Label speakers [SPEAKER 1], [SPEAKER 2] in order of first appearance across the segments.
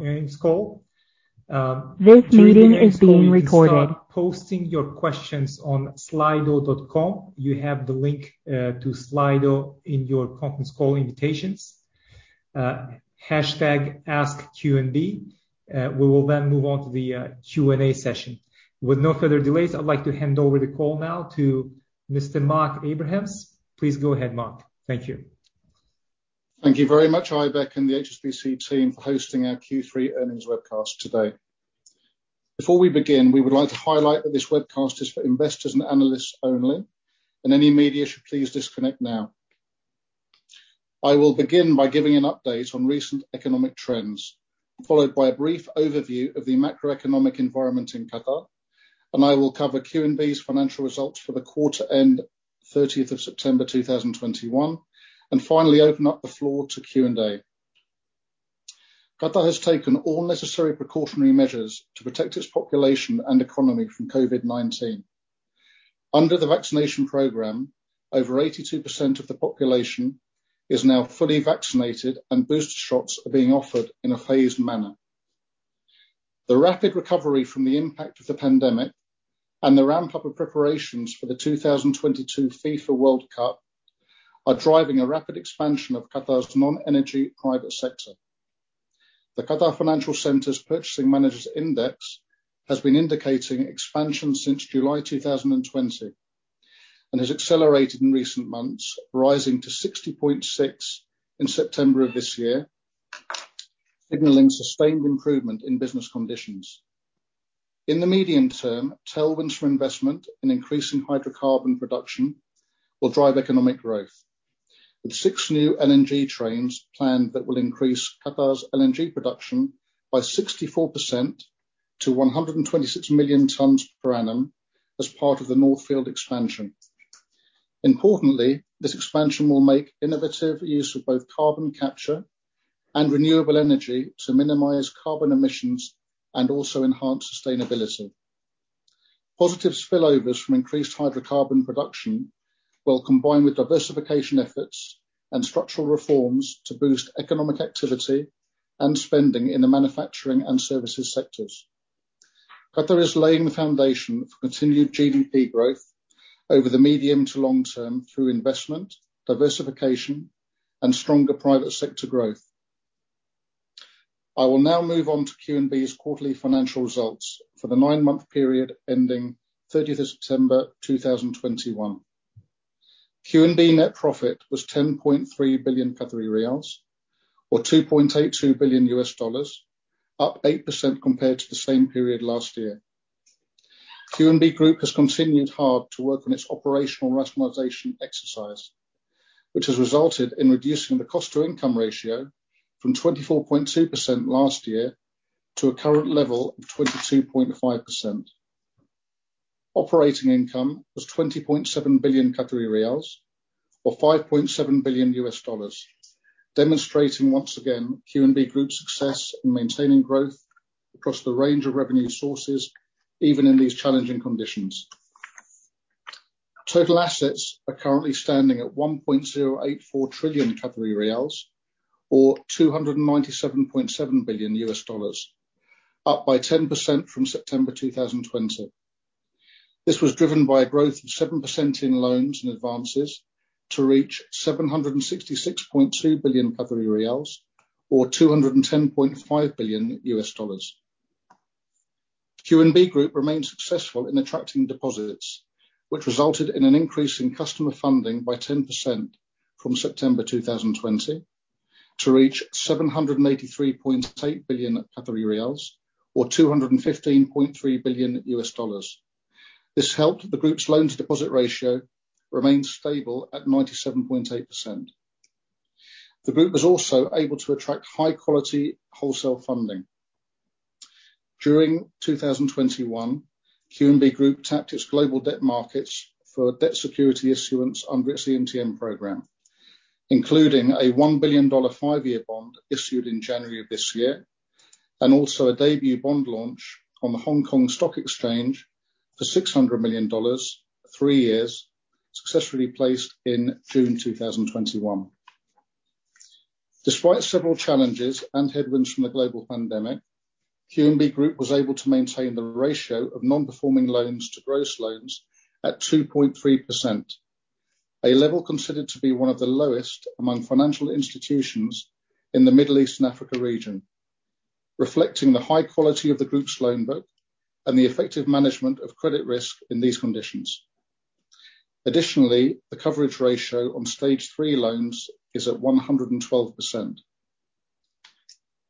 [SPEAKER 1] Earnings call.
[SPEAKER 2] This meeting is being recorded.
[SPEAKER 3] During the earnings call, you can start posting your questions on slido.com. You have the link to Slido in your conference call invitations, #askqnb. We will move on to the Q&A session. With no further delays, I'd like to hand over the call now to Mr. Mark Abrahams. Please go ahead, Mark. Thank you.
[SPEAKER 1] Thank you very much, Aybek and the HSBC team, for hosting our Q3 earnings webcast today. Before we begin, we would like to highlight that this webcast is for investors and analysts only. Any media should please disconnect now. I will begin by giving an update on recent economic trends, followed by a brief overview of the macroeconomic environment in Qatar. I will cover QNB's financial results for the quarter end 30th of September 2021. Finally open up the floor to Q&A. Qatar has taken all necessary precautionary measures to protect its population and economy from COVID-19. Under the vaccination program, over 82% of the population is now fully vaccinated, and booster shots are being offered in a phased manner. The rapid recovery from the impact of the pandemic and the ramp-up of preparations for the 2022 FIFA World Cup are driving a rapid expansion of Qatar's non-energy private sector. The Qatar Financial Centre's Purchasing Managers' Index has been indicating expansion since July 2020 and has accelerated in recent months, rising to 60.6 in September of this year, signaling sustained improvement in business conditions. In the medium term, tailwinds from investment in increasing hydrocarbon production will drive economic growth, with six new LNG trains planned that will increase Qatar's LNG production by 64% to 126 million tons per annum as part of the North Field expansion. Importantly, this expansion will make innovative use of both carbon capture and renewable energy to minimize carbon emissions and also enhance sustainability. Positive spillovers from increased hydrocarbon production will combine with diversification efforts and structural reforms to boost economic activity and spending in the manufacturing and services sectors. Qatar is laying the foundation for continued GDP growth over the medium to long term through investment, diversification, and stronger private sector growth. I will now move on to QNB's quarterly financial results for the nine-month period ending 30th of September 2021. QNB net profit was 10.3 billion Qatari riyals, or $2.82 billion, up 8% compared to the same period last year. QNB Group has continued hard to work on its operational rationalization exercise, which has resulted in reducing the cost-to-income ratio from 24.2% last year to a current level of 22.5%. Operating income was 20.7 billion Qatari riyals, or $5.7 billion, demonstrating once again QNB Group's success in maintaining growth across the range of revenue sources, even in these challenging conditions. Total assets are currently standing at 1.084 trillion Qatari riyals, or $297.7 billion, up by 10% from September 2020. This was driven by a growth of 7% in loans and advances to reach 766.2 billion riyals, or $210.5 billion. QNB Group remains successful in attracting deposits, which resulted in an increase in customer funding by 10% from September 2020 to reach 783.8 billion Qatari riyals, or $215.3 billion. This helped the group's loan-to-deposit ratio remain stable at 97.8%. The group was also able to attract high-quality wholesale funding. During 2021, QNB Group tapped its global debt markets for debt security issuance under its EMTN program, including a $1 billion five-year bond issued in January of this year, and also a debut bond launch on the Hong Kong Stock Exchange for $600 million for three years, successfully placed in June 2021. Despite several challenges and headwinds from the global pandemic, QNB Group was able to maintain the ratio of non-performing loans to gross loans at 2.3%, a level considered to be one of the lowest among financial institutions in the Middle East and Africa region, reflecting the high quality of the group's loan book and the effective management of credit risk in these conditions. Additionally, the coverage ratio on Stage 3 loans is at 112%.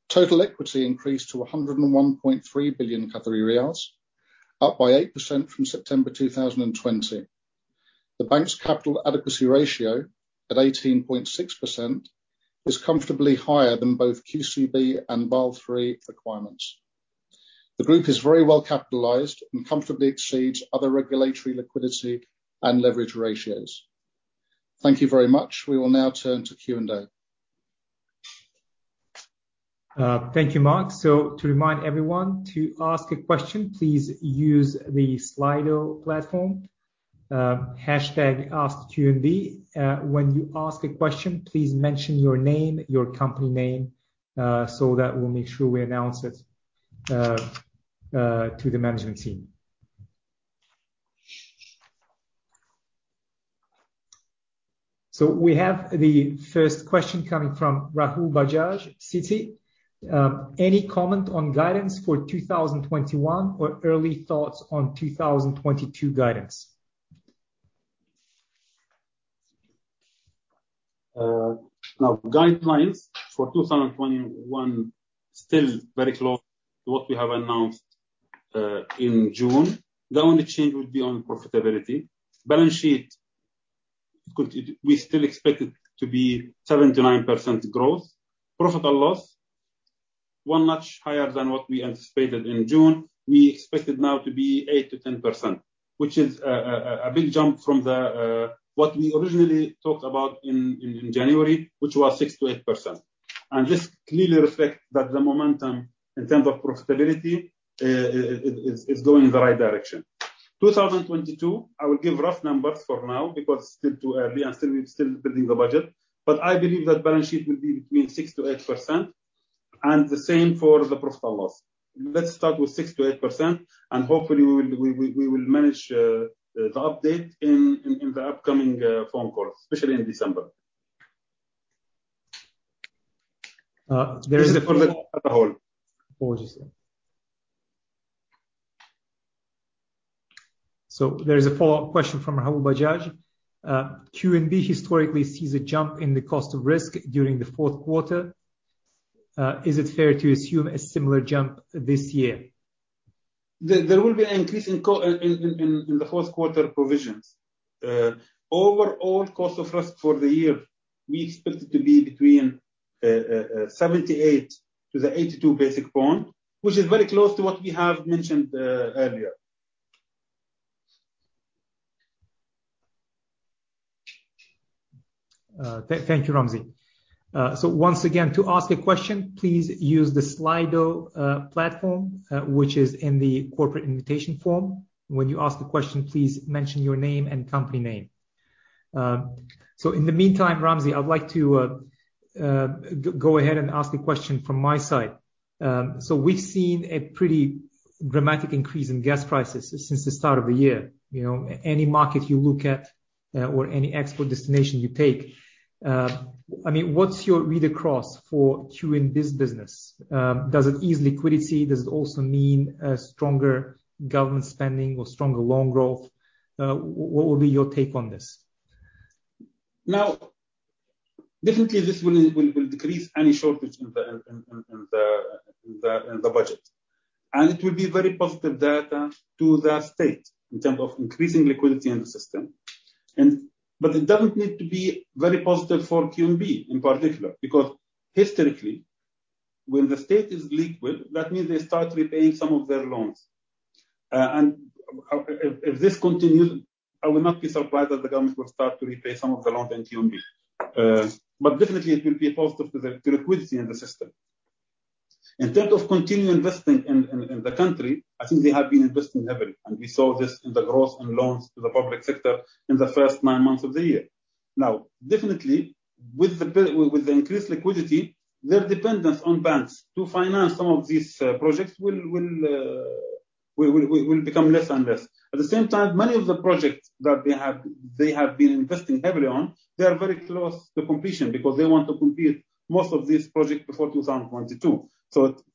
[SPEAKER 1] Total equity increased to 101.3 billion Qatari riyals, up by 8% from September 2020. The bank's capital adequacy ratio, at 18.6%, is comfortably higher than both QCB and Basel III requirements. The group is very well capitalized and comfortably exceeds other regulatory liquidity and leverage ratios. Thank you very much. We will now turn to Q&A.
[SPEAKER 3] Thank you, Mark. To remind everyone, to ask a question, please use the Slido platform #AskQNB. When you ask a question, please mention your name, your company name, so that we'll make sure we announce it to the management team. We have the first question coming from Rahul Bajaj, Citi. Any comment on guidance for 2021 or early thoughts on 2022 guidance?
[SPEAKER 4] Guidelines for 2021 still very close to what we have announced in June. The only change would be on profitability. Balance sheet, we still expect it to be 7%-9% growth. Profit or loss, one notch higher than what we anticipated in June. We expect it now to be 8%-10%, which is a big jump from what we originally talked about in January, which was 6%-8%. This clearly reflects that the momentum in terms of profitability is going in the right direction. 2022, I will give rough numbers for now because still too early and still building the budget, but I believe that balance sheet will be between 6%-8% and the same for the profit loss. Let's start with 6%-8%, and hopefully we will manage the update in the upcoming phone call, especially in December.
[SPEAKER 3] Uh, there is a-
[SPEAKER 4] That is for the whole.
[SPEAKER 3] Apologies. There is a follow-up question from Rahul Bajaj. QNB historically sees a jump in the cost of risk during the fourth quarter. Is it fair to assume a similar jump this year?
[SPEAKER 4] There will be an increase in the fourth quarter provisions. Overall cost of risk for the year, we expect it to be between 78 to the 82 basis points, which is very close to what we have mentioned earlier.
[SPEAKER 3] Thank you, Ramzi. Once again, to ask a question, please use the Slido platform, which is in the corporate invitation form. When you ask a question, please mention your name and company name. In the meantime, Ramzi, I'd like to go ahead and ask a question from my side. We've seen a pretty dramatic increase in gas prices since the start of the year. Any market you look at or any export destination you take, what's your read across for QNB's business? Does it ease liquidity? Does it also mean stronger government spending or stronger loan growth? What would be your take on this?
[SPEAKER 4] Definitely this will decrease any shortage in the budget, and it will be very positive data to the state in terms of increasing liquidity in the system. It doesn't need to be very positive for QNB in particular, because historically, when the state is liquid, that means they start repaying some of their loans. If this continues, I will not be surprised that the government will start to repay some of the loans in QNB. Definitely, it will be positive to the liquidity in the system. In terms of continuing investing in the country, I think they have been investing heavily, and we saw this in the growth in loans to the public sector in the first nine months of the year. Definitely, with the increased liquidity, their dependence on banks to finance some of these projects will become less and less. At the same time, many of the projects that they have been investing heavily on, they are very close to completion because they want to complete most of these projects before 2022.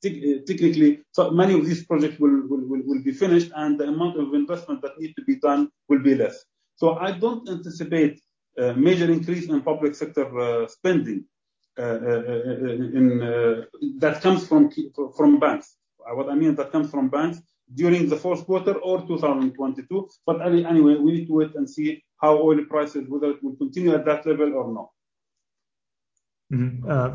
[SPEAKER 4] Technically, many of these projects will be finished, and the amount of investment that needs to be done will be less. I don't anticipate a major increase in public sector spending that comes from banks. I mean, that comes from banks during the fourth quarter or 2022. Anyway, we need to wait and see how oil prices, whether it will continue at that level or not.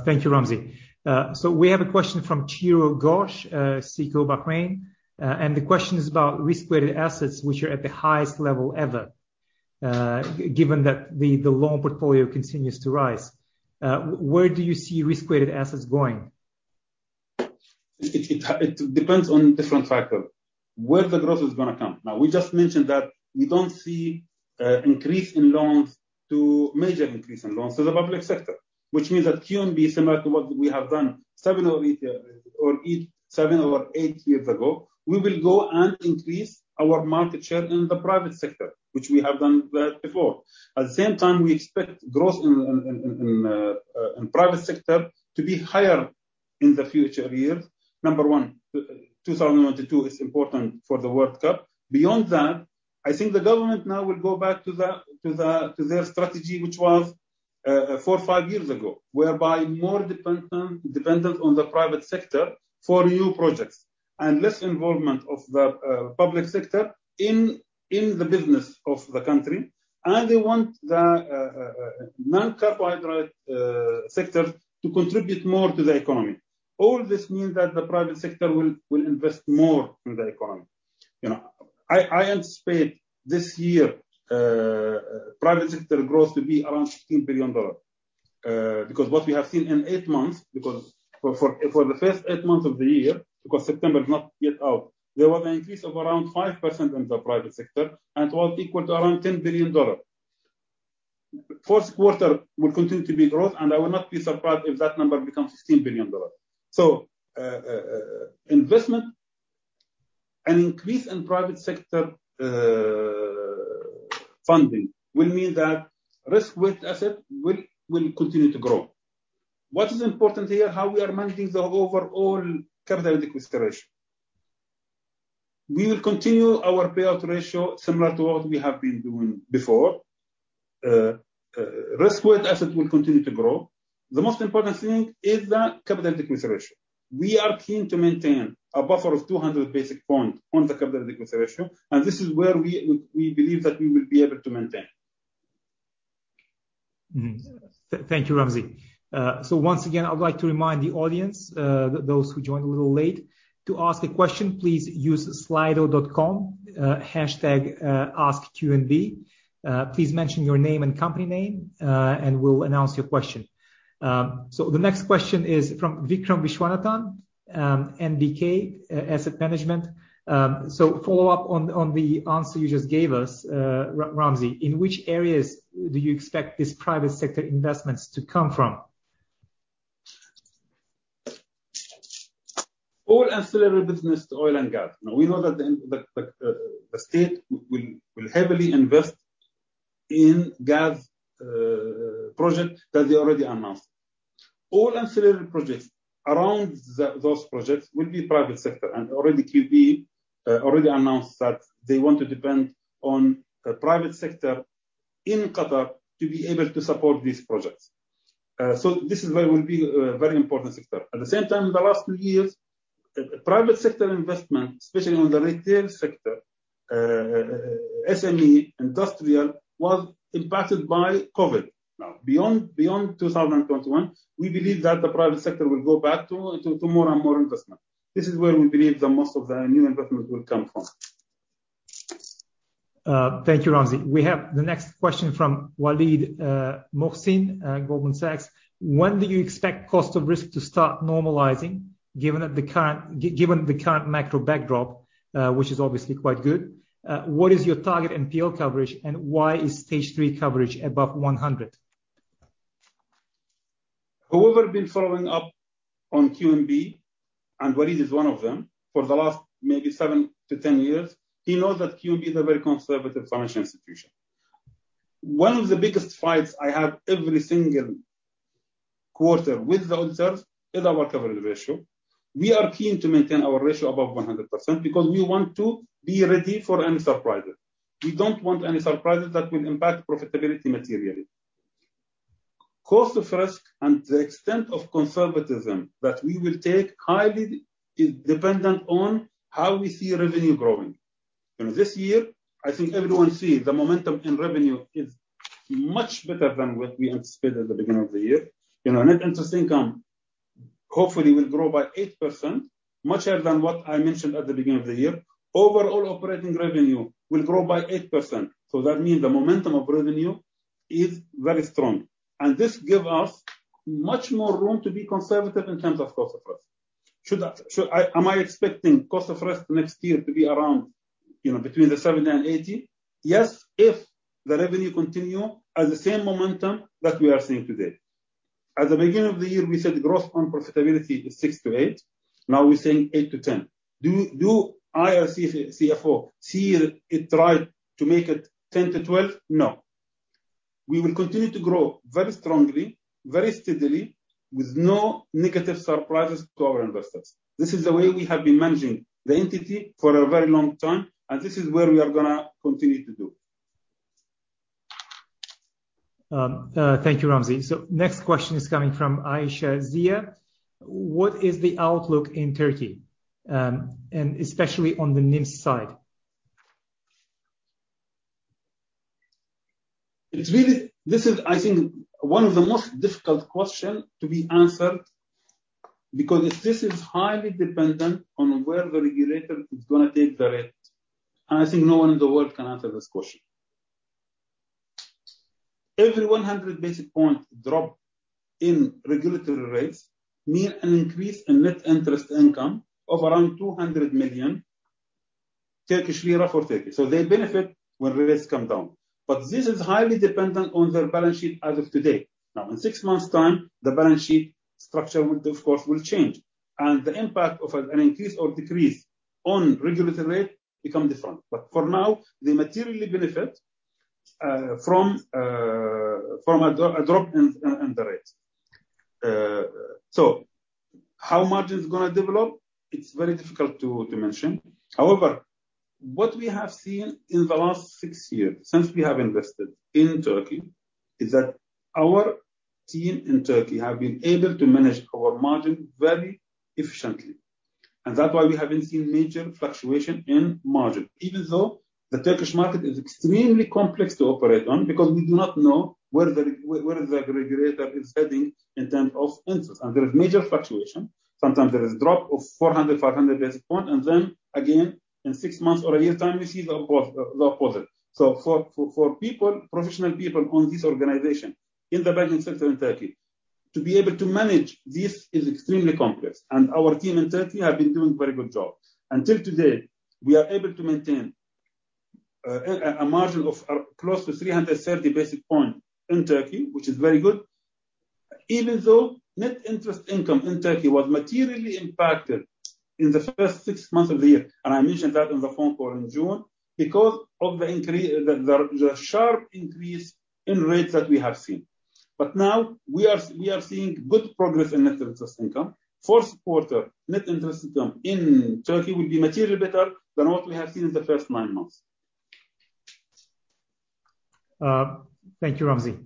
[SPEAKER 3] Thank you, Ramzi. We have a question from Chiradeep Ghosh, SICO Bahrain, and the question is about risk-weighted assets, which are at the highest level ever. Given that the loan portfolio continues to rise, where do you see risk-weighted assets going?
[SPEAKER 4] It depends on different factor, where the growth is going to come. We just mentioned that we don't see Major increase in loans to the public sector, which means that QNB, similar to what we have done 7 or 8 years ago, we will go and increase our market share in the private sector, which we have done before. At the same time, we expect growth in private sector to be higher in the future years. Number 1, 2022 is important for the World Cup. Beyond that, I think the government now will go back to their strategy, which was 4 or 5 years ago, whereby more dependent on the private sector for new projects and less involvement of the public sector in the business of the country. They want the non-hydrocarbon sector to contribute more to the economy. All this means that the private sector will invest more in the economy. I anticipate this year Private sector growth to be around QAR 16 billion. Because what we have seen in 8 months, for the first 8 months of the year, because September is not yet out, there was an increase of around 5% in the private sector and it was equal to around QAR 10 billion. Fourth quarter will continue to be growth, I will not be surprised if that number becomes QAR 16 billion. Investment and increase in private sector funding will mean that risk-weighted asset will continue to grow. What is important here, how we are managing the overall capital adequacy ratio. We will continue our payout ratio similar to what we have been doing before. Risk-weighted asset will continue to grow. The most important thing is that capital adequacy ratio. We are keen to maintain a buffer of 200 basic points on the capital adequacy ratio, and this is where we believe that we will be able to maintain.
[SPEAKER 3] Mm-hmm. Thank you, Ramzi. Once again, I would like to remind the audience, those who joined a little late, to ask a question, please use slido.com, #askqnb. Please mention your name and company name, and we'll announce your question. The next question is from Vikram Viswanathan, NBK Asset Management. Follow up on the answer you just gave us, Ramzi. In which areas do you expect this private sector investments to come from?
[SPEAKER 4] All ancillary business to oil and gas. We know that the state will heavily invest in gas project that they already announced. All ancillary projects around those projects will be private sector, and already QNB already announced that they want to depend on the private sector in Qatar to be able to support these projects. This is where will be a very important sector. At the same time, in the last two years, private sector investment, especially on the retail sector, SME, industrial, was impacted by COVID-19. Beyond 2021, we believe that the private sector will go back to more and more investment. This is where we believe the most of the new investment will come from.
[SPEAKER 3] Thank you, Ramzi. We have the next question from Waleed Mohsin, Goldman Sachs. When do you expect cost of risk to start normalizing, given the current macro backdrop, which is obviously quite good? What is your target NPL coverage, and why is stage 3 coverage above 100?
[SPEAKER 4] Whoever been following up on QNB, and Waleed is one of them, for the last maybe 7 to 10 years, he knows that QNB is a very conservative financial institution. One of the biggest fights I have every single quarter with the auditors is our coverage ratio. We are keen to maintain our ratio above 100% because we want to be ready for any surprises. We don't want any surprises that will impact profitability materially. Cost of risk and the extent of conservatism that we will take, highly is dependent on how we see revenue growing. This year, I think everyone see the momentum in revenue is much better than what we anticipated at the beginning of the year. Net interest income hopefully will grow by 8%, much higher than what I mentioned at the beginning of the year. Overall operating revenue will grow by 8%. That means the momentum of revenue is very strong, and this give us much more room to be conservative in terms of cost of risk. Am I expecting cost of risk next year to be around between the seven and 80? Yes, if the revenue continue at the same momentum that we are seeing today. At the beginning of the year, we said growth on profitability is six to eight. Now we're saying eight to 10. Do I, as CFO, see it right to make it 10 to 12? No. We will continue to grow very strongly, very steadily, with no negative surprises to our investors. This is the way we have been managing the entity for a very long time, and this is where we are going to continue to do.
[SPEAKER 3] Thank you, Ramzi. Next question is coming from Ayisha Zia. What is the outlook in Turkey? Especially on the NIMs side.
[SPEAKER 4] This is, I think, one of the most difficult question to be answered, because this is highly dependent on where the regulator is going to take the rate. I think no one in the world can answer this question. Every 100 basis point drop in regulatory rates mean an increase in net interest income of around 200 million Turkish lira for Turkey. They benefit when rates come down. This is highly dependent on their balance sheet as of today. Now, in six months' time, the balance sheet structure, of course, will change. The impact of an increase or decrease on regulatory rate become different. For now, they materially benefit from a drop in the rate. How much is it going to develop? It's very difficult to mention. However, what we have seen in the last 6 years since we have invested in Turkey is that our team in Turkey have been able to manage our margin very efficiently. That is why we haven't seen major fluctuation in margin, even though the Turkish market is extremely complex to operate on because we do not know where the regulator is heading in terms of interest. There is major fluctuation. Sometimes there is drop of 400, 500 basis points, and then again, in 6 months or a year, we see the opposite. For professional people on this organization in the banking sector in Turkey to be able to manage this is extremely complex, and our team in Turkey have been doing a very good job. Until today, we are able to maintain a margin of close to 330 basis points in Turkey, which is very good. Even though net interest income in Turkey was materially impacted in the first 6 months of the year, and I mentioned that in the phone call in June, because of the sharp increase in rates that we have seen. Now we are seeing good progress in net interest income. Fourth quarter net interest income in Turkey will be materially better than what we have seen in the first 9 months.
[SPEAKER 3] Thank you, Ramzi.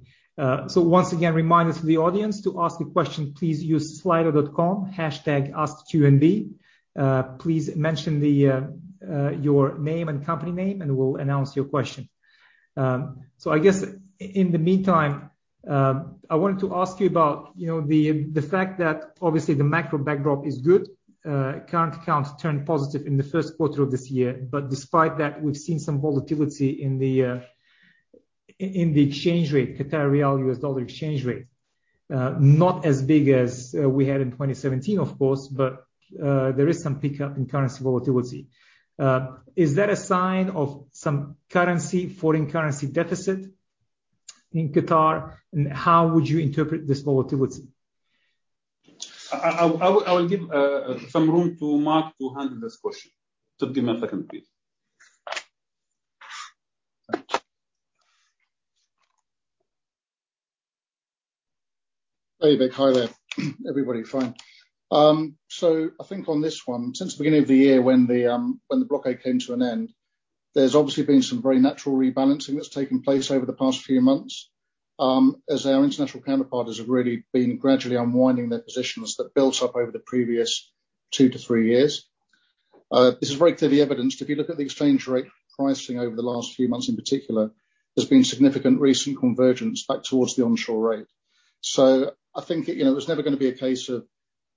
[SPEAKER 3] Once again, reminder to the audience, to ask a question, please use slido.com #askQNB. Please mention your name and company name, and we will announce your question. I guess in the meantime, I wanted to ask you about the fact that obviously the macro backdrop is good. Current accounts turned positive in the first quarter of this year, but despite that, we have seen some volatility in the exchange rate, QAR-USD exchange rate. Not as big as we had in 2017, of course, but there is some pickup in currency volatility. Is that a sign of some foreign currency deficit in Qatar? How would you interpret this volatility?
[SPEAKER 4] I will give some room to Mark to handle this question. Just give me a second, please.
[SPEAKER 1] Hey, Vik. Hi there, everybody. Fine. I think on this one, since the beginning of the year when the blockade came to an end, there's obviously been some very natural rebalancing that's taken place over the past few months, as our international counterparts have really been gradually unwinding their positions that built up over the previous two to three years. This is very clearly evidenced if you look at the exchange rate pricing over the last few months in particular, there's been significant recent convergence back towards the onshore rate. I think it was never going to be a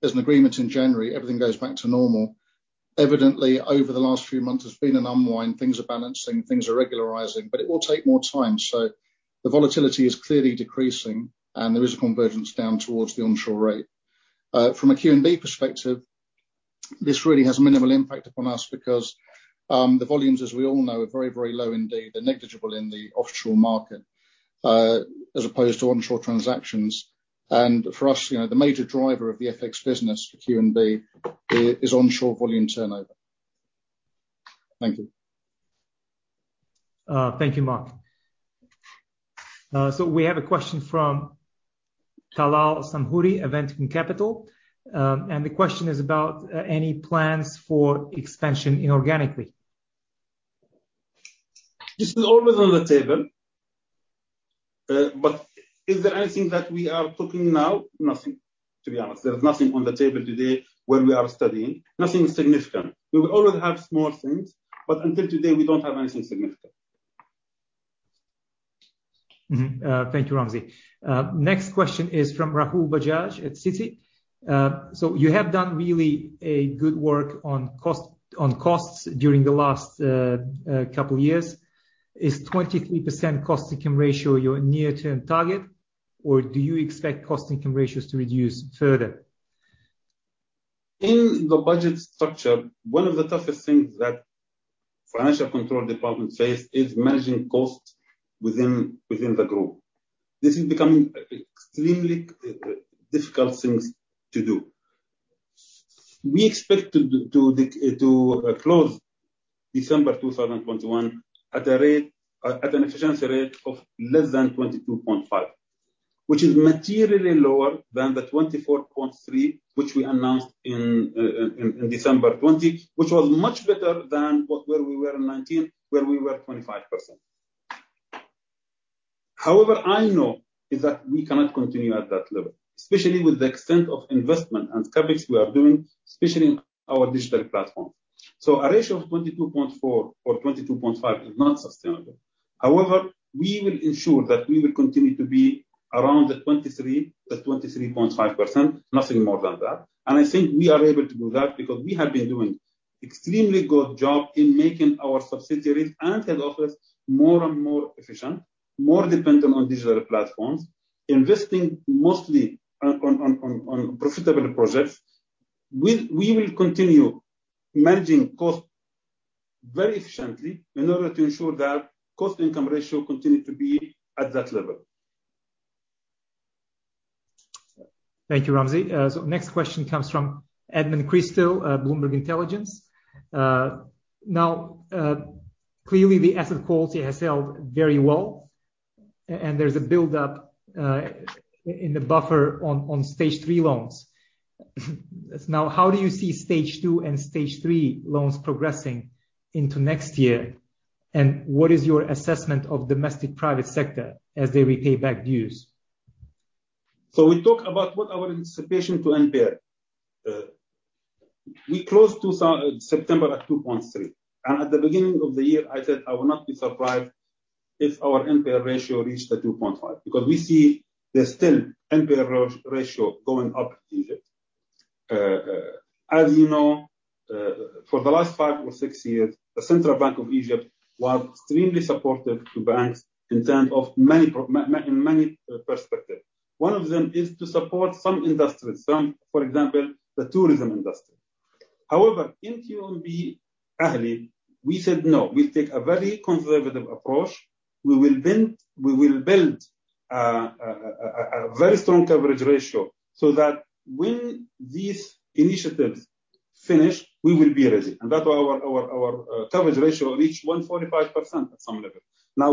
[SPEAKER 1] case of there's an agreement in January, everything goes back to normal. Evidently, over the last few months, there's been an unwind, things are balancing, things are regularizing, but it will take more time. The volatility is clearly decreasing, and there is a convergence down towards the onshore rate. From a QNB perspective, this really has minimal impact upon us because the volumes, as we all know, are very, very low indeed. They're negligible in the offshore market, as opposed to onshore transactions. For us, the major driver of the FX business for QNB is onshore volume turnover. Thank you.
[SPEAKER 3] Thank you, Mark. We have a question from Talal Samhouri, Aventicum Capital. The question is about any plans for expansion inorganically.
[SPEAKER 4] This is always on the table. Is there anything that we are talking now? Nothing, to be honest. There's nothing on the table today when we are studying. Nothing significant. We will always have small things, but until today, we don't have anything significant.
[SPEAKER 3] Thank you, Ramzi. Next question is from Rahul Bajaj at Citi. You have done really good work on costs during the last couple years. Is 23% cost-to-income ratio your near-term target, or do you expect cost-to-income ratios to reduce further?
[SPEAKER 4] In the budget structure, one of the toughest things that financial control department face is managing costs within the group. This is becoming extremely difficult things to do. We expect to close December 2021 at an efficiency rate of less than 22.5%, which is materially lower than the 24.3% which we announced in December 2020, which was much better than where we were in 2019, where we were 25%. However, I know that we cannot continue at that level, especially with the extent of investment and CapEx we are doing, especially in our digital platforms. A ratio of 22.4% or 22.5% is not sustainable. However, we will ensure that we will continue to be around the 23%-23.5%, nothing more than that. I think we are able to do that because we have been doing extremely good job in making our subsidiaries and head office more and more efficient, more dependent on digital platforms, investing mostly on profitable projects. We will continue managing costs very efficiently in order to ensure that cost-to-income ratio continue to be at that level.
[SPEAKER 3] Thank you, Ramzi. Next question comes from Edmond Christou, Bloomberg Intelligence. Clearly the asset quality has held very well, and there is a buildup in the buffer on Stage 3 loans. How do you see Stage 2 and Stage 3 loans progressing into next year? What is your assessment of domestic private sector as they repay back dues?
[SPEAKER 4] We talk about what our anticipation to impair. We closed September at 2.3%, and at the beginning of the year, I said I will not be surprised if our impair ratio reached a 2.5% because we see there's still impair ratio going up. As you know, for the last 5 or 6 years, the Central Bank of Egypt was extremely supportive to banks in terms of many perspectives. One of them is to support some industries, for example, the tourism industry. However, in QNB Alahli, we said, no, we'll take a very conservative approach. We will build a very strong coverage ratio so that when these initiatives finish, we will be ready. That's why our coverage ratio reached 145% at some level.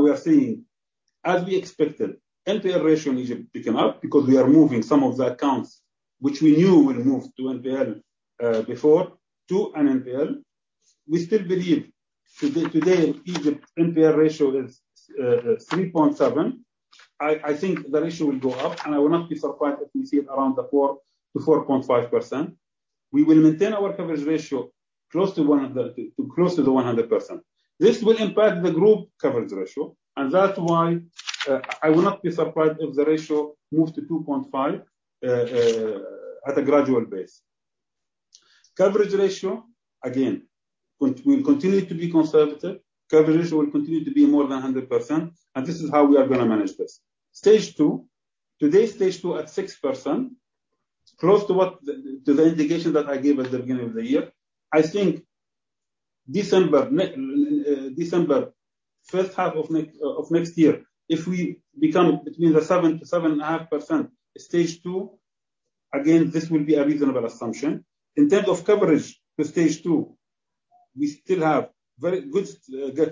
[SPEAKER 4] We are seeing, as we expected, NPL ratio in Egypt picking up because we are moving some of the accounts which we knew will move to NPL before to an NPL. We still believe today, Egypt NPL ratio is 3.7%. I think the ratio will go up, and I will not be surprised if we see it around the 4%-4.5%. We will maintain our coverage ratio close to the 100%. This will impact the group coverage ratio, that's why I will not be surprised if the ratio moves to 2.5% at a gradual base. Coverage ratio, again, will continue to be conservative. Coverage ratio will continue to be more than 100%, and this is how we are going to manage this. Stage 2. Today, Stage 2 at 6%, close to the indication that I gave at the beginning of the year. December, first half of next year, if we become between the 7%-7.5% Stage 2, again, this will be a reasonable assumption. In terms of coverage for Stage 2, we still have very good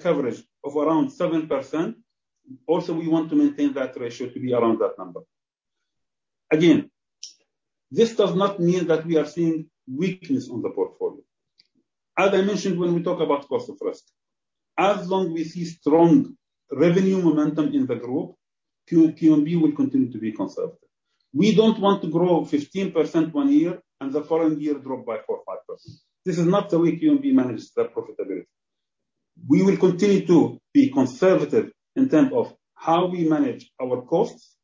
[SPEAKER 4] coverage of around 7%. Also, we want to maintain that ratio to be around that number. Again, this does not mean that we are seeing weakness on the portfolio. As I mentioned, when we talk about cost of risk, as long as we see strong revenue momentum in the group, QNB will continue to be conservative. We don't want to grow 15% one year and the following year drop by 4% or 5%. This is not the way QNB manages their profitability. We will continue to be conservative in terms of how we manage our costs,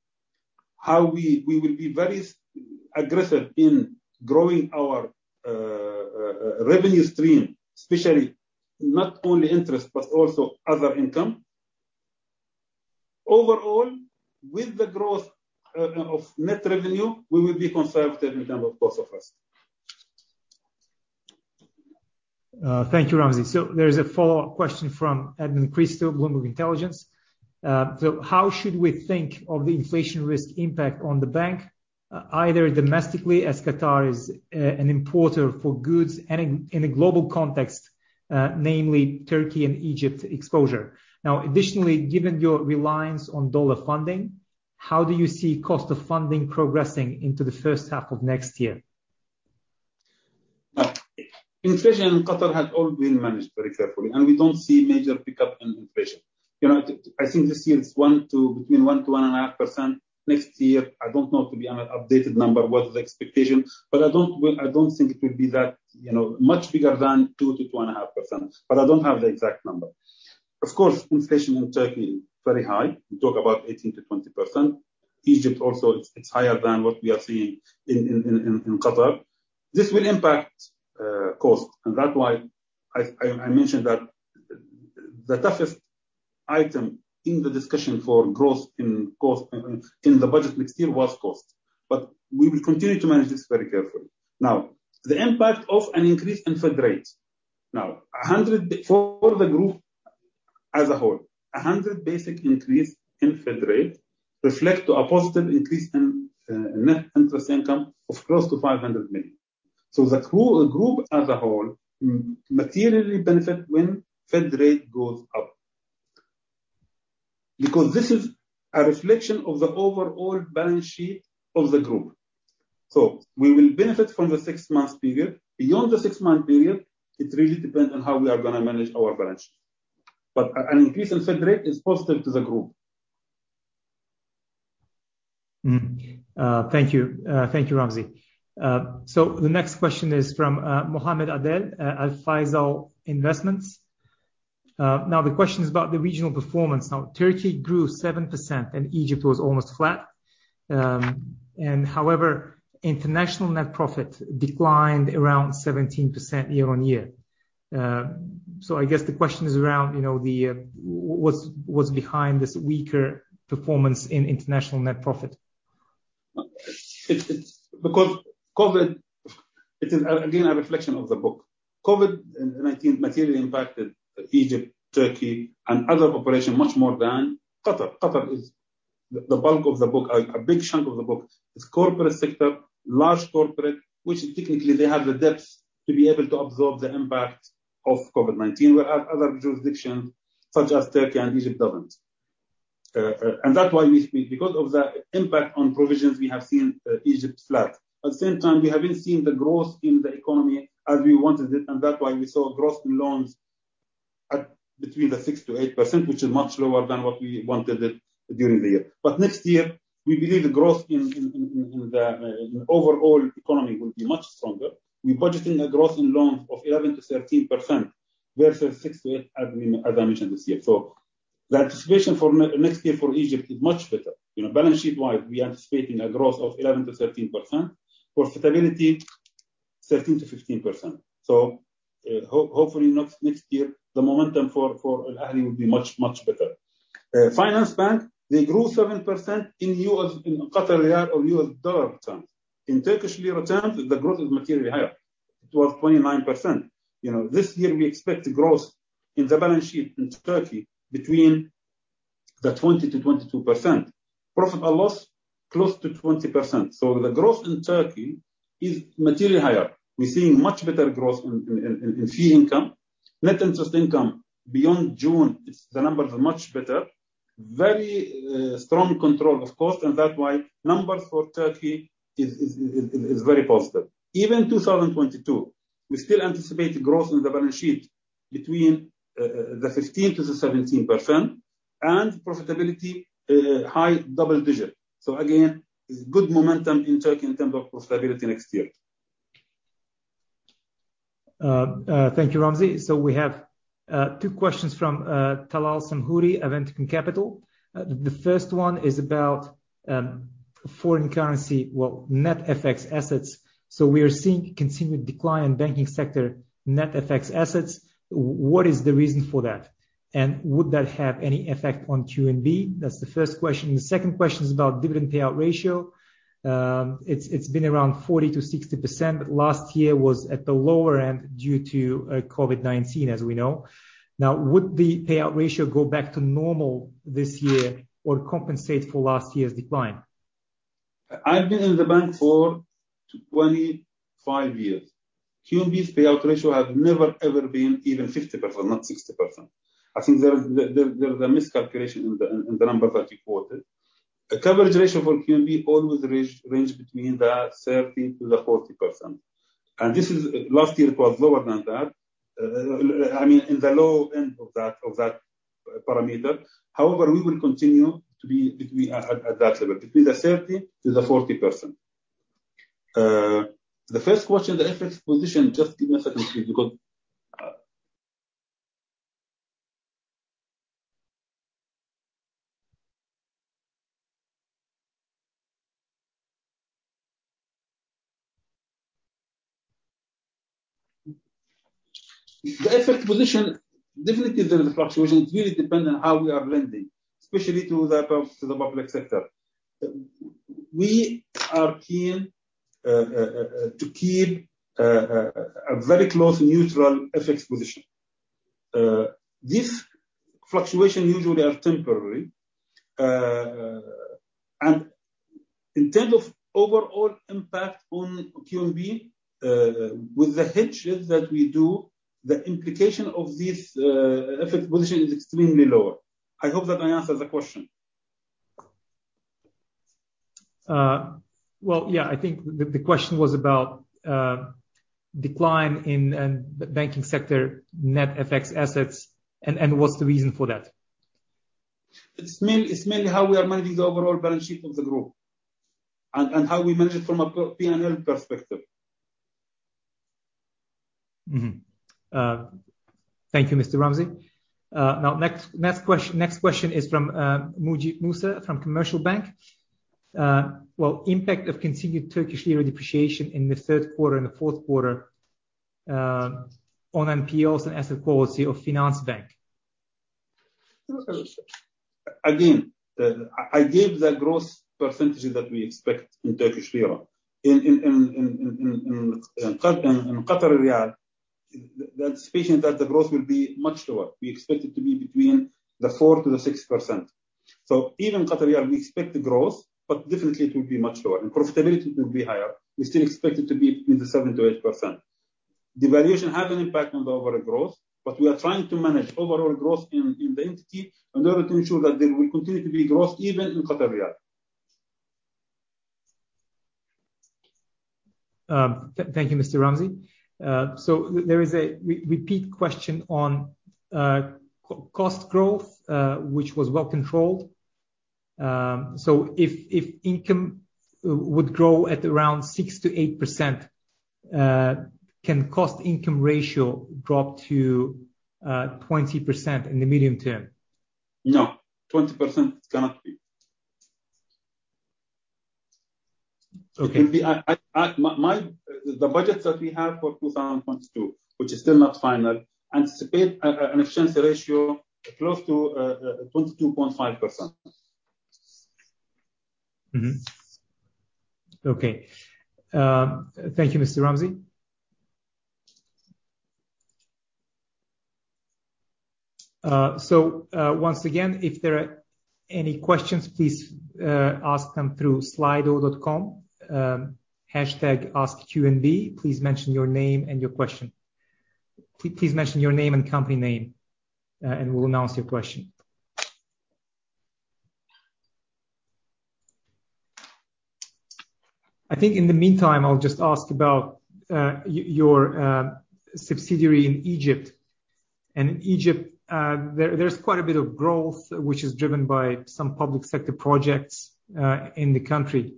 [SPEAKER 4] how we will be very aggressive in growing our revenue stream, especially not only interest, but also other income. Overall, with the growth of net revenue, we will be conservative in terms of cost of risk.
[SPEAKER 3] Thank you, Ramzi. There is a follow-up question from Edmond Christou, Bloomberg Intelligence. How should we think of the inflation risk impact on the bank, either domestically, as Qatar is an importer for goods; and in a global context, namely Turkey and Egypt exposure? Additionally, given your reliance on U.S. dollar funding, how do you see cost of funding progressing into the first half of next year?
[SPEAKER 4] Inflation in Qatar has all been managed very carefully, and we don't see major pickup in inflation. I think this year it's between 1%-1.5%. Next year, I don't know, to be honest, updated number, what is the expectation, but I don't think it will be that much bigger than 2%-2.5%. I don't have the exact number. Of course, inflation in Turkey, very high. We talk about 18%-20%. Egypt also, it's higher than what we are seeing in Qatar. This will impact cost, and that's why I mentioned that the toughest item in the discussion for growth in the budget next year was cost. We will continue to manage this very carefully. The impact of an increase in Fed rates. For the group as a whole, a 100 basis points increase in Fed rate reflect to a positive increase in net interest income of close to 500 million. The group as a whole materially benefit when Fed rate goes up. This is a reflection of the overall balance sheet of the group. We will benefit from the 6-month period. Beyond the 6-month period, it really depends on how we are going to manage our balance sheet. An increase in Fed rate is positive to the group.
[SPEAKER 3] Thank you, Ramzi. The next question is from Mohammed Adel, Al Faisal Investments. The question is about the regional performance. Turkey grew 7% and Egypt was almost flat. However, international net profit declined around 17% year-on-year. I guess the question is around what's behind this weaker performance in international net profit?
[SPEAKER 4] COVID-19, it is again, a reflection of the book. COVID-19 materially impacted Egypt, Turkey, and other operation much more than Qatar. Qatar is the bulk of the book. A big chunk of the book is corporate sector, large corporate, which technically they have the depth to be able to absorb the impact of COVID-19, where other jurisdictions, such as Turkey and Egypt, don't. That's why, because of the impact on provisions, we have seen Egypt flat. At the same time, we haven't seen the growth in the economy as we wanted it, and that's why we saw growth in loans at between the 6%-8%, which is much lower than what we wanted it during the year. Next year, we believe the growth in the overall economy will be much stronger. We budgeting a growth in loans of 11%-13%, versus 6%-8%, as I mentioned to CFO. The anticipation for next year for Egypt is much better. Balance sheet wise, we are anticipating a growth of 11%-13%. Profitability, 13%-15%. Hopefully next year the momentum for Al Ahli will be much, much better. Finansbank, they grew 7% in QAR or USD terms. In TRY terms, the growth is materially higher, it was 29%. This year we expect growth in the balance sheet in Turkey between the 20%-22%. Profit or loss, close to 20%. The growth in Turkey is materially higher. We're seeing much better growth in fee income. Net interest income, beyond June, the numbers are much better. Very strong control of cost, that's why numbers for Turkey is very positive. Even 2022, we still anticipate growth in the balance sheet between the 15%-17%, and profitability high double digit. Again, it's good momentum in Turkey in terms of profitability next year.
[SPEAKER 3] Thank you, Ramzi. We have two questions from Talal Samhouri, Aventicum Capital. The first one is about foreign currency, well, net FX assets. We are seeing continued decline in banking sector net FX assets. What is the reason for that, and would that have any effect on QNB? That's the first question. The second question is about dividend payout ratio. It's been around 40%-60%, last year was at the lower end due to COVID-19, as we know. Would the payout ratio go back to normal this year or compensate for last year's decline?
[SPEAKER 4] I've been in the bank for 25 years. QNB's payout ratio have never, ever been even 50%, not 60%. I think there is a miscalculation in the numbers that you quoted. The coverage ratio for QNB always range between the 30% to the 40%, and last year it was lower than that. I mean, in the low end of that parameter. However, we will continue to be at that level, between the 30% to the 40%. The first question, the FX position, just give me a second please because there is a fluctuation. It really depends on how we are lending, especially to the public sector. We are keen to keep a very close neutral FX position. These fluctuation usually are temporary. In terms of overall impact on QNB, with the hedges that we do, the implication of this FX position is extremely lower. I hope that I answered the question.
[SPEAKER 3] Well, yeah. I think the question was about decline in banking sector net FX assets and what's the reason for that.
[SPEAKER 4] It's mainly how we are managing the overall balance sheet of the group, and how we manage it from a P&L perspective.
[SPEAKER 3] Thank you, Mr. Ramzi. Next question is from Maji Ezzat from Commercial Bank of Qatar. Well, impact of continued TRY depreciation in the third quarter and the fourth quarter on NPLs and asset quality of Finansbank.
[SPEAKER 4] Again, I gave the growth percentage that we expect in TRY. In QAR, the anticipation that the growth will be much lower. We expect it to be between 4%-6%. Even QAR, we expect growth, but definitely it will be much lower and profitability will be higher. We still expect it to be between 7%-8%. Devaluation have an impact on the overall growth, but we are trying to manage overall growth in the entity in order to ensure that there will continue to be growth even in QAR.
[SPEAKER 3] Thank you, Mr. Ramzi. There is a repeat question on cost growth, which was well controlled. If income would grow at around 6%-8%, can cost-to-income ratio drop to 20% in the medium term?
[SPEAKER 4] No. 20% cannot be.
[SPEAKER 3] Okay.
[SPEAKER 4] The budgets that we have for 2022, which is still not final, anticipate an expense ratio close to 22.5%.
[SPEAKER 3] Okay. Thank you, Mr. Ramzi. Once again, if there are any questions, please ask them through slido.com, #askqnb. Please mention your name and your question. Please mention your name and company name, and we'll announce your question. I think in the meantime, I'll just ask about your subsidiary in Egypt. In Egypt, there's quite a bit of growth which is driven by some public sector projects, in the country.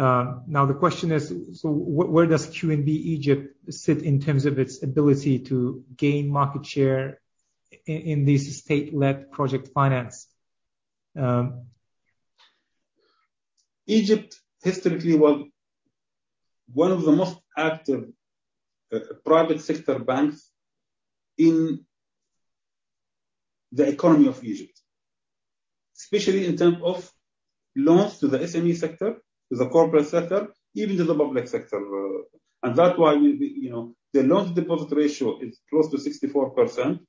[SPEAKER 3] The question is, where does QNB Egypt sit in terms of its ability to gain market share in this state-led project finance?
[SPEAKER 4] Egypt historically was one of the most active private sector banks in the economy of Egypt. Especially in terms of loans to the SME sector, to the corporate sector, even to the public sector. That is why the loan-to-deposit ratio is close to 64%,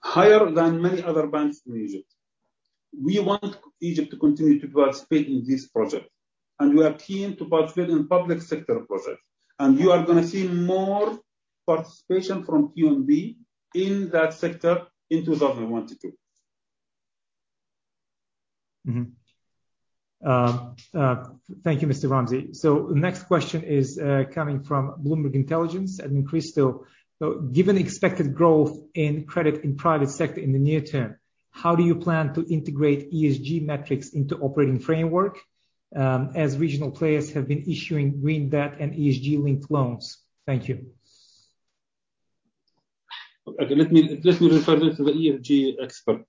[SPEAKER 4] higher than many other banks in Egypt. We want Egypt to continue to participate in this project, and we are keen to participate in public sector projects. You are going to see more participation from QNB in that sector in 2022.
[SPEAKER 3] Thank you, Mr. Ramzi. Next question is coming from Bloomberg Intelligence, Admin Crystal. Given expected growth in credit in private sector in the near term, how do you plan to integrate ESG metrics into operating framework, as regional players have been issuing green debt and ESG-linked loans? Thank you.
[SPEAKER 4] Okay. Let me refer this to the ESG expert,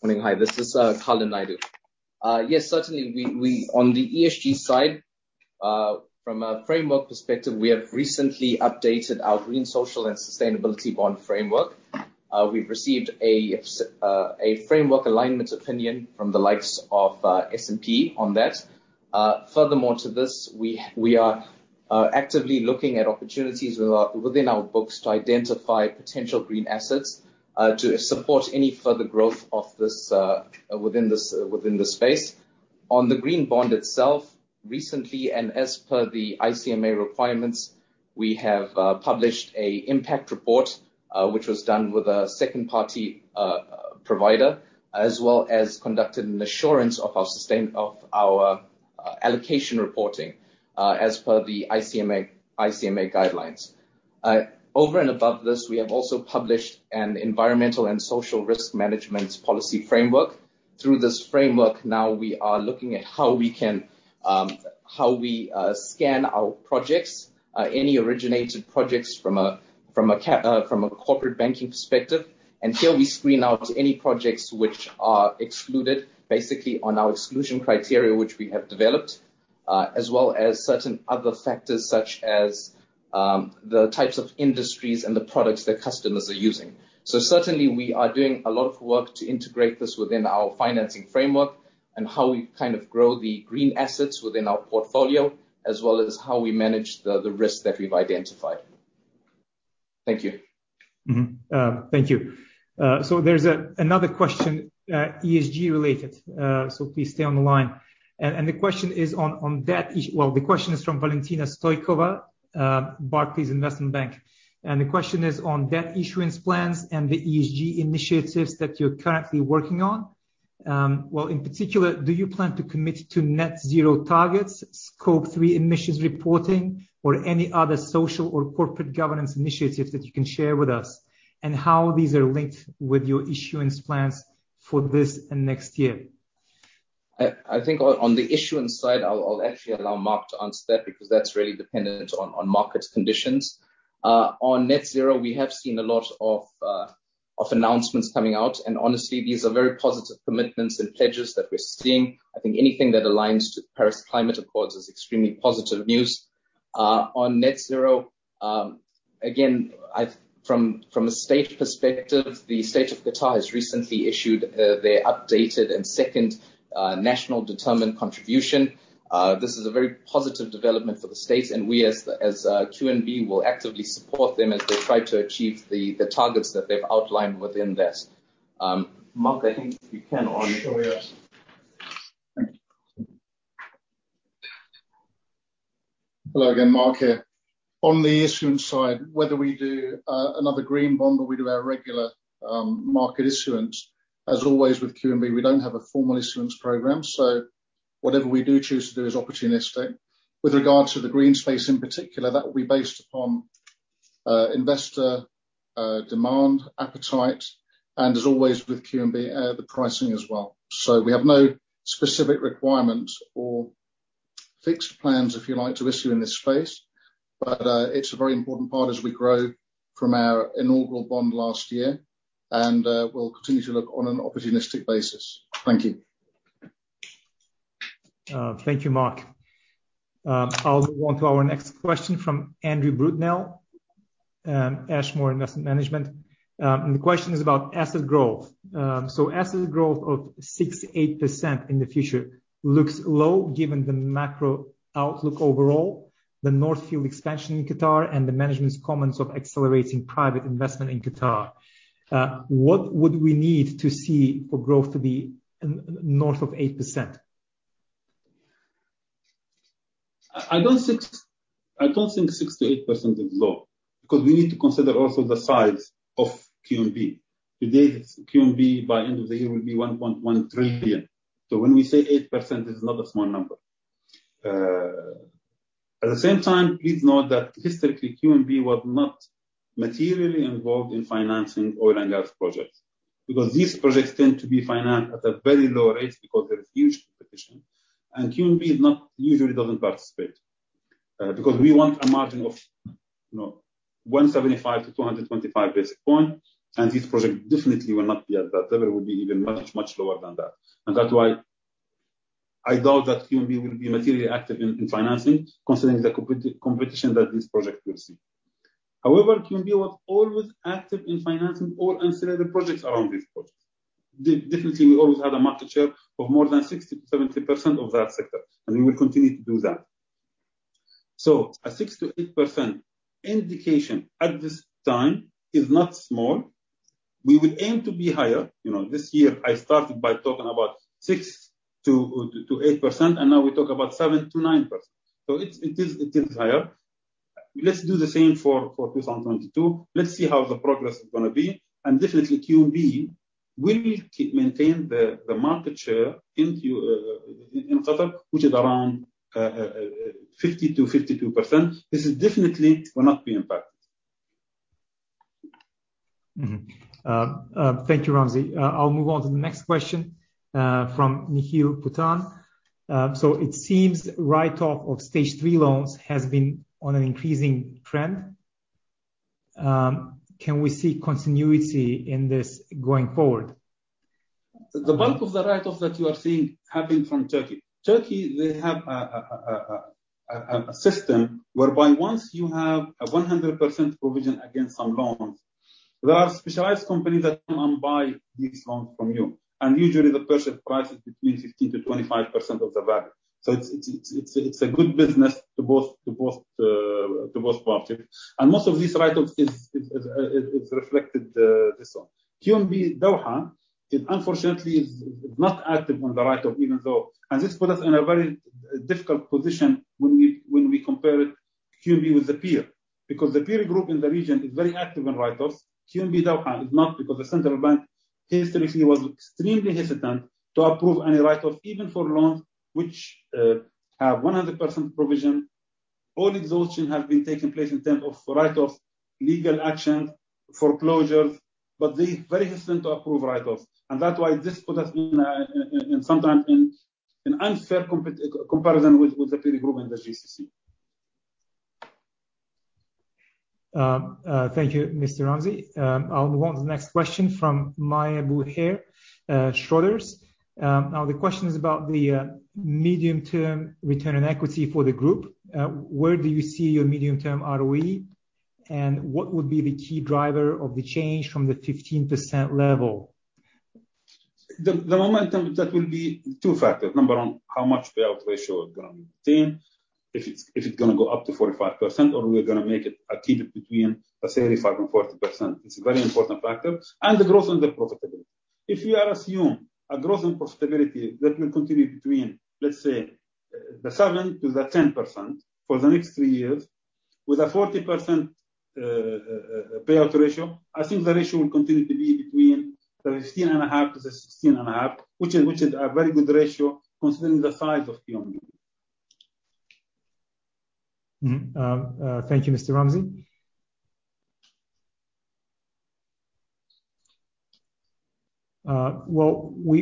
[SPEAKER 4] please.
[SPEAKER 5] Morning. Hi, this is Khalid Al-Naemi. Yes, certainly, on the ESG side, from a framework perspective, we have recently updated our Green, Social and Sustainability Bond Framework. We've received a framework alignment opinion from the likes of S&P on that. Furthermore to this, we are actively looking at opportunities within our books to identify potential green assets to support any further growth within this space. On the green bond itself, recently, as per the ICMA requirements, we have published an impact report, which was done with a second-party provider, as well as conducted an assurance of our allocation reporting as per the ICMA guidelines. Over and above this, we have also published an Environmental and Social Risk Management Policy Framework. Through this framework, now we are looking at how we scan our projects, any originated projects from a corporate banking perspective. Here we screen out any projects which are excluded, basically on our exclusion criteria, which we have developed, as well as certain other factors such as the types of industries and the products that customers are using. Certainly, we are doing a lot of work to integrate this within our financing framework and how we kind of grow the green assets within our portfolio, as well as how we manage the risks that we've identified. Thank you.
[SPEAKER 3] Thank you. There's another question, ESG related, so please stay on the line. The question is from Valentina Stoevska, Barclays Investment Bank. The question is on debt issuance plans and the ESG initiatives that you're currently working on. Well, in particular, do you plan to commit to net zero targets, Scope 3 emissions reporting or any other social or corporate governance initiatives that you can share with us, how these are linked with your issuance plans for this and next year?
[SPEAKER 5] I think on the issuance side, I'll actually allow Mark to answer that because that's really dependent on market conditions. On net zero, we have seen a lot of announcements coming out, and honestly, these are very positive commitments and pledges that we're seeing. I think anything that aligns to the Paris Agreement is extremely positive news. On net zero, again, from a state perspective, the state of Qatar has recently issued their updated and second Nationally Determined Contribution. This is a very positive development for the state, and we as QNB will actively support them as they try to achieve the targets that they've outlined within this. Mark, I think if you can.
[SPEAKER 4] Sure, yes. Thank you.
[SPEAKER 1] Hello again. Mark here. On the issuance side, whether we do another green bond or we do our regular market issuance, as always with QNB, we don't have a formal issuance program, so whatever we do choose to do is opportunistic. With regards to the green space, in particular, that will be based upon investor demand, appetite, and as always with QNB, the pricing as well. We have no specific requirements or fixed plans, if you like, to issue in this space. But it's a very important part as we grow from our inaugural bond last year. We'll continue to look on an opportunistic basis. Thank you.
[SPEAKER 3] Thank you, Mark. I'll move on to our next question from Andrew Brudenell, Ashmore Investment Management. The question is about asset growth. Asset growth of 6%-8% in the future looks low, given the macro outlook overall, the North Field expansion in Qatar, and the management's comments of accelerating private investment in Qatar. What would we need to see for growth to be north of 8%?
[SPEAKER 4] I don't think six I don't think 6%-8% is low because we need to consider also the size of QNB. Today, QNB by end of the year will be 1.13 billion. When we say 8%, it's not a small number. At the same time, please note that historically, QNB was not materially involved in financing oil and gas projects because these projects tend to be financed at a very low rate because there is huge competition, QNB usually doesn't participate. Because we want a margin of 175-225 basis points, and this project definitely will not be at that level, it will be even much, much lower than that. That's why I doubt that QNB will be materially active in financing, considering the competition that this project will see. However, QNB was always active in financing all ancillary projects around this project. Definitely, we always had a market share of more than 60%-70% of that sector, we will continue to do that. A 6%-8% indication at this time is not small. We would aim to be higher. This year I started by talking about 6%-8%, now we talk about 7%-9%. It is higher. Let's do the same for 2022. Let's see how the progress is going to be. Definitely QNB will maintain the market share in Qatar, which is around 50%-52%. This definitely will not be impacted.
[SPEAKER 3] Thank you, Ramzi. I'll move on to the next question, from Nikhil Puthran. It seems write-off of stage 3 loans has been on an increasing trend. Can we see continuity in this going forward?
[SPEAKER 4] The bulk of the write-offs that you are seeing happened from Turkey. Turkey, they have a system whereby once you have a 100% provision against some loans, there are specialized companies that come and buy these loans from you. Usually the purchase price is between 15%-25% of the value. It's a good business to both parties. Most of these write-offs is reflected this one. QNB Doha is unfortunately not active on the write-off even though. This put us in a very difficult position when we compare QNB with the peer. The peer group in the region is very active on write-offs. QNB Doha is not because the central bank historically was extremely hesitant to approve any write-off even for loans which have 100% provision. All exhaustion have been taking place in terms of write-offs, legal action, foreclosures. They're very hesitant to approve write-offs. That's why this put us sometimes in unfair comparison with the peer group in the GCC.
[SPEAKER 3] Thank you, Mr. Ramzi. I'll move on to the next question from Maya Abou Daher, Schroders. The question is about the medium-term return on equity for the group. Where do you see your medium-term ROE, and what would be the key driver of the change from the 15% level?
[SPEAKER 4] The momentum, that will be two factors. Number 1, how much payout ratio we're going to maintain. If it's going to go up to 45% or we are going to make it achieve between, let's say, 35%-40%. It's a very important factor. The growth and the profitability. If we assume a growth and profitability that will continue between, let's say, the 7%-10% for the next 3 years with a 40% payout ratio, I think the ratio will continue to be between the 15 and a half to the 16 and a half, which is a very good ratio considering the size of QNB.
[SPEAKER 3] Thank you, Mr. Ramzi.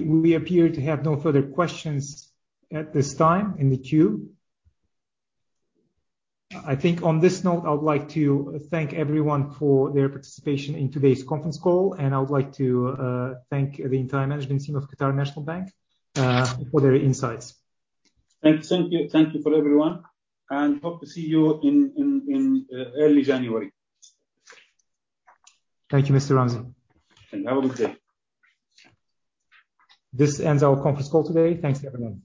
[SPEAKER 3] We appear to have no further questions at this time in the queue. I think on this note, I would like to thank everyone for their participation in today's conference call, and I would like to thank the entire management team of Qatar National Bank for their insights.
[SPEAKER 4] Thank you for everyone, hope to see you in early January.
[SPEAKER 3] Thank you, Mr. Ramzi.
[SPEAKER 4] Have a good day.
[SPEAKER 3] This ends our conference call today. Thanks, everyone.